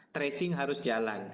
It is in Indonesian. tracing harus jalan